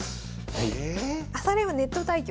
朝練はネット対局？